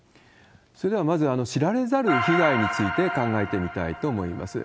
それでは、まず知られざる被害について、考えてみたいと思います。